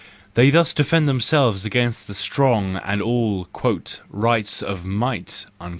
They thus defend themselves against the strong and all " rights of might." 67.